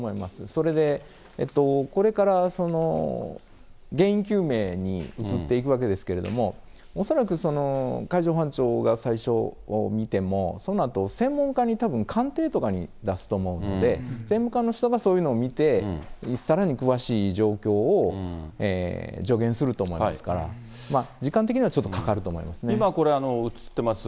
それで、これから原因究明に移っていくわけですけれども、恐らく海上保安庁が最初見ても、そのあと専門家にたぶん鑑定とかに出すと思うんで、専門家の方がそういうのを見て、さらに詳しい状況を助言すると思いますから、時間的にはちょっと今これ、映ってます